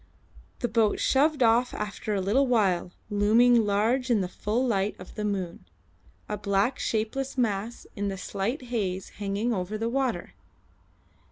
The boat shoved off after a little while, looming large in the full light of the moon, a black shapeless mass in the slight haze hanging over the water.